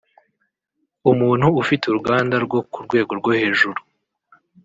umuntu ufite uruganda rwo ku rwego rwo hejuru